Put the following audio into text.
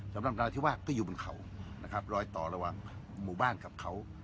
ราธิวาสก็อยู่บนเขานะครับรอยต่อระหว่างหมู่บ้านกับเขา